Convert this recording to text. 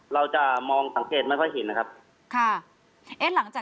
ย่าอยู่ในสนุกแข่วหรอคะ